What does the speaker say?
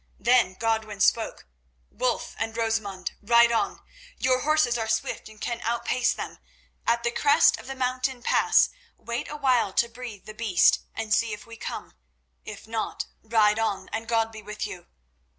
Then Godwin spoke: "Wulf and Rosamund ride on. Your horses are swift and can outpace them. At the crest of the mountain pass wait a while to breathe the beasts, and see if we come. If not, ride on again, and God be with you."